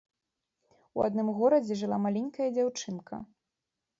У адным горадзе жыла маленькая дзяўчынка.